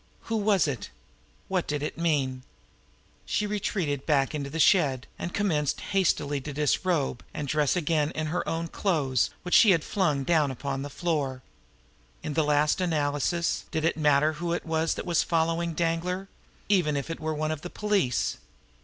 Who was it? What did it mean? She retreated back into the shed, and commenced hastily to disrobe and dress again in her own clothes, which she had flung down upon the floor. In the last analysis, did it matter who it was that was following Danglar even if it were one of the police?